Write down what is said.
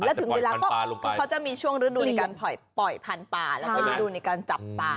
แล้วถึงเวลาก็คือเขาจะมีช่วงฤดูในการปล่อยพันธุ์ป่าแล้วก็ฤดูในการจับตา